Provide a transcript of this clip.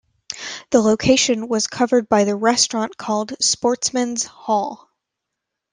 The location was covered by the restaurant called "Sportsman's Hall".